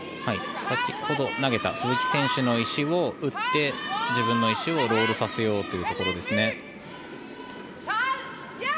先ほど投げた鈴木選手の石を打って自分の石をロールさせようというところですね。